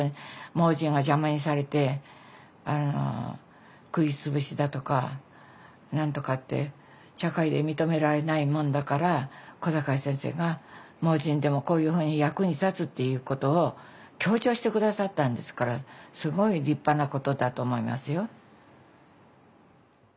盲人は邪魔にされて食い潰しだとか何とかって社会で認められないもんだから小坂井先生が盲人でもこういうふうに役に立つっていうことを強調して下さったんですからすごい立派なことだと思いますよ。